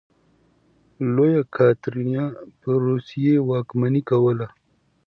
لویه کاترینه په روسیې واکمني کوله.